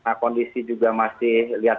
nah kondisi juga masih lihat